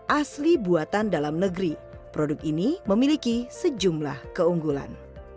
asli buatan dalam negeri produk ini memiliki sejumlah keunggulan